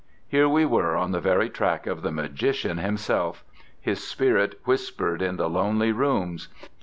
Here we were on the very track of the Magician himself: his spirit whispered in the lonely rooms.